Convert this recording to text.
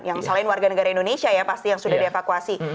yang selain warga negara indonesia ya pasti yang sudah dievakuasi